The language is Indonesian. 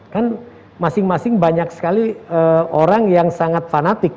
kan masing masing banyak sekali orang yang sangat fanatik